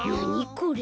これ。